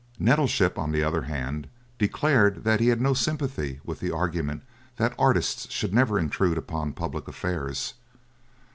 Nettleship, on the other hand, declared that he had no sympathy with the argument that artists should never intrude upon public affairs.